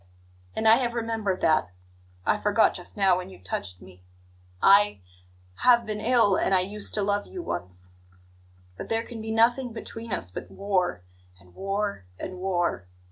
And I have remembered that. I forgot just now when you touched me; I have been ill, and I used to love you once. But there can be nothing between us but war, and war, and war.